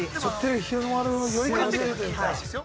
◆日の丸をより感じれるということですか。